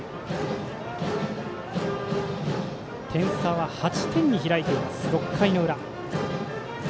点差は８点に開いている６回の裏。